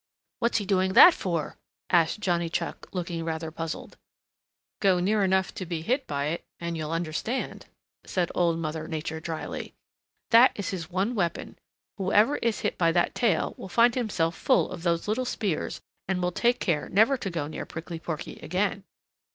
"What is he doing that for?" asked Johnny Chuck, looking rather puzzled. "Go near enough to be hit by it, and you'll understand," said Old Mother Nature dryly. "That is his one weapon. Whoever is hit by that tail will find himself full of those little spears and will take care never to go near Prickly Porky again.